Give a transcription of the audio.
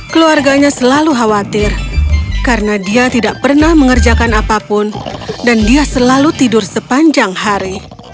keluarganya selalu khawatir karena dia tidak pernah mengerjakan apapun dan dia selalu tidur sepanjang hari